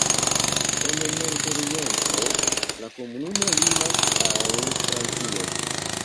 En nordoriento la komunumo limas al Francio.